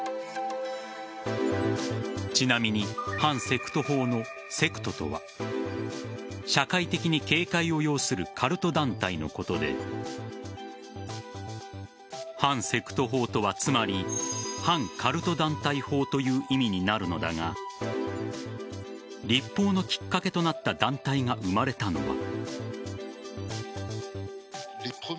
ちなみに反セクト法のセクトとは社会的に警戒を要するカルト団体のことで反セクト法とはつまり反カルト団体法という意味になるのだが立法のきっかけとなった団体が生まれたのは。